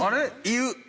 「言う」。